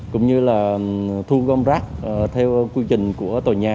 cũng như là thu gom rác theo quy trình của tòa nhà